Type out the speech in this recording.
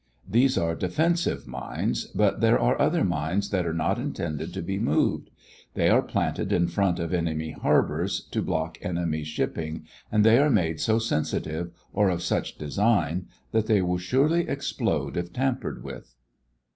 These are defensive mines, but there are other mines that are not intended to be moved. They are planted in front of enemy harbors to block enemy shipping and they are made so sensitive or of such design that they will surely explode if tampered with.